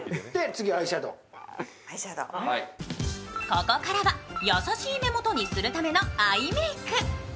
ここからは優しい目元にするためのアイメーク。